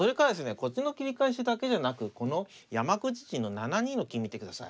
こっちの切り返しだけじゃなくこの山口陣の７二の金見てください。